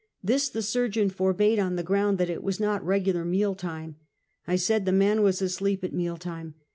This the surgeon forbade on the ground that it was not regular meal time. I said the man was asleep at meal time.